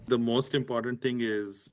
hal yang paling penting adalah